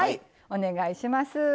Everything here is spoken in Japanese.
お願いします。